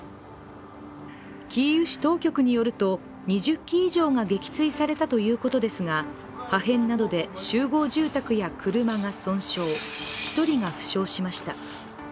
キーウ市当局によると２０機以上が撃墜されたということですが破片などで集合住宅や車が損傷、１人が負傷しました。